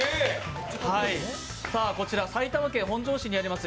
こちら埼玉県本庄市にあります